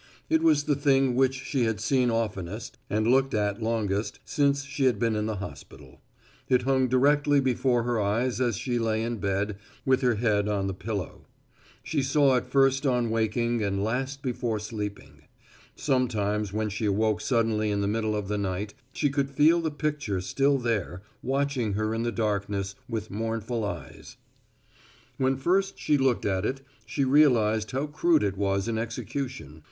It was the thing which she had seen oftenest and looked at longest since she had been in the hospital. It hung directly before her eyes as she lay in bed with her head on the pillow. She saw it first on waking and last before sleeping. Sometimes when she awoke suddenly in the middle of the night she could feel the picture still there, watching her in the darkness with mournful eyes. When first she looked at it she realized how crude it was in execution.